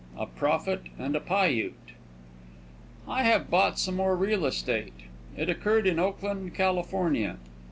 A PROPHET AND A PIUTE VI I have bought some more real estate. It occurred in Oakland, California.